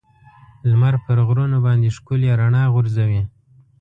لمر په غرونو باندې ښکلي رڼا غورځوي.